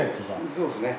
そうですね。